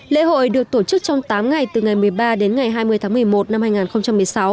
lễ hội được tổ chức trong tám ngày từ ngày một mươi ba đến ngày hai mươi tháng một mươi một năm hai nghìn một mươi sáu